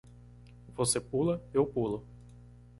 Você pula? eu pulo.